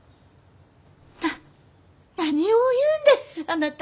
な何を言うんですあなた。